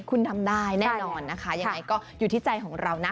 คุณทำได้แน่นอนนะคะยังไงก็อยู่ที่ใจของเรานะ